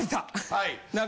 はい。